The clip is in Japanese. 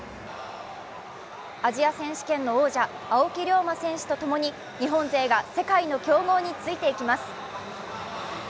アジア選手権の王者・青木涼真選手と共に、日本勢が世界の強豪についていきます。